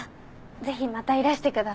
ぜひまたいらしてください。